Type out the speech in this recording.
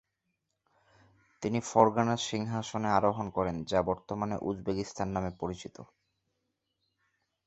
তিনি ফরগানার সিংহাসনে আরোহণ করেন যা বর্তমানে উজবেকিস্তান নামে পরিচিত।